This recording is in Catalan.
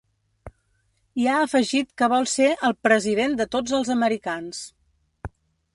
I ha afegit que vol ser ‘el president de tots els americans’.